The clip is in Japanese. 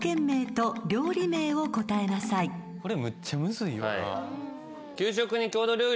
これむっちゃむずいよな。